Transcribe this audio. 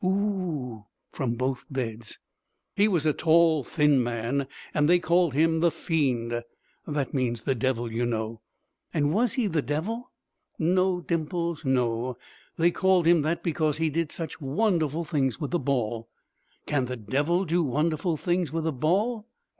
"Oo!" from both beds. "He was a tall, thin man, and they called him the Fiend. That means the Devil, you know." "And was he the Devil?" "No, Dimples, no. They called him that because he did such wonderful things with the ball." "Can the Devil do wonderful things with a ball?"